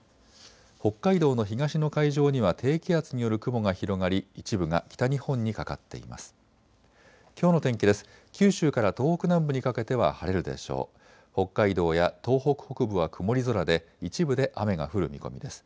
北海道の東の海上には低気圧による雲が広がり一部が北日本にかかっています。